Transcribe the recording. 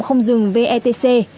không dừng vetc